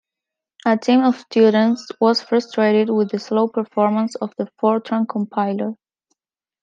A team of students was frustrated with the slow performance of the Fortran compiler.